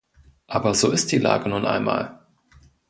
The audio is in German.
Aber so ist die Lage nun einmal!